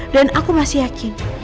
dan aku masih yakin